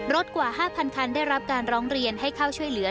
กว่า๕๐๐คันได้รับการร้องเรียนให้เข้าช่วยเหลือ